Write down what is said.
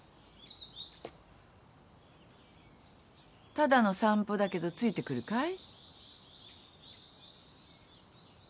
ただの散歩だけどついてくるかい？